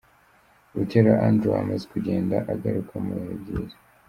Butera Andrew amaze kugenda agaruka mu bihe byiza.